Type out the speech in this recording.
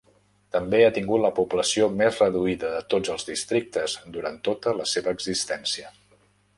També ha tingut la població més reduïda de tots els districtes durant tota la seva existència.